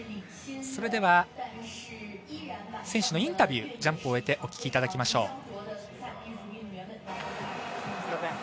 それでは、選手のインタビュージャンプを終えてお聞きいただきましょう。